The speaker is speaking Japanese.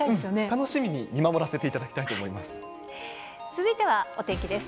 楽しみに見守らせていただき続いてはお天気です。